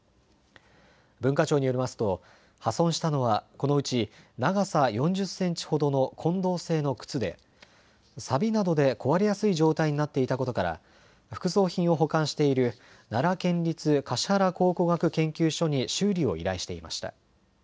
文化庁によりますと破損したのはこのうち長さ４０センチほどの金銅製のくつでさびなどで壊れやすい状態になっていたことから副葬品を保管している奈良県立橿原考古学研究所に修理を依頼していました。